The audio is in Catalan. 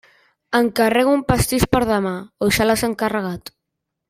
Encarrego un pastís per demà o ja l'has encarregat?